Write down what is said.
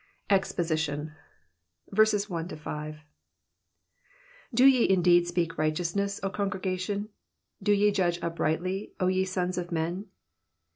EXPOSITION. DO ye indeed speak righteousness, O congregation ? do ye judge uprightly, O ye sons of men